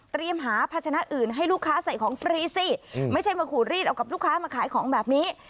หาพัชนะอื่นให้ลูกค้าใส่ของฟรีสิไม่ใช่มาขูดรีดเอากับลูกค้ามาขายของแบบนี้